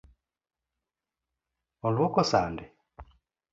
Oluoko sande.